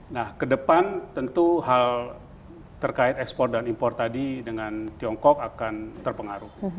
nah ke depan tentu hal terkait ekspor dan impor tadi dengan tiongkok akan terpengaruh